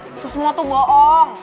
itu semua tuh bohong